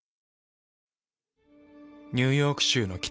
ニューヨーク州の北。